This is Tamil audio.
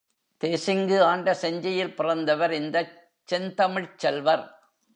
தேசிங்கு ஆண்ட செஞ்சியில் பிறந்தவர் இந்தச் செந்தமிழ்ச் செல்வர்.